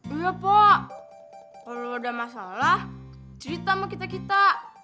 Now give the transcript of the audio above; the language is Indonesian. iya poh kalo lo ada masalah cerita sama kita kita